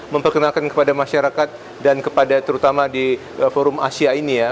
memperkenalkan kepada masyarakat dan kepada terutama di forum asia ini ya